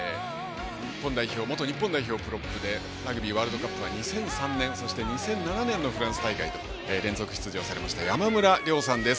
元日本代表プロップでラグビーワールドカップは２００３年、２００７年の大会と連続出場されました山村亮さんです。